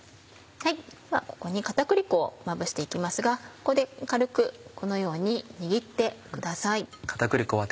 ではここに片栗粉をまぶして行きますがここで軽くこのように握ってください。